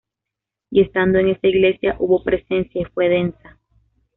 Y estando en esa iglesia, hubo presencia y fue densa.